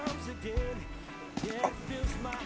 あっ。